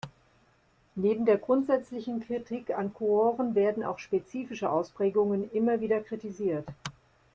Neben der grundsätzlichen Kritik an Quoren, werden auch spezifischen Ausprägungen immer wieder kritisiert.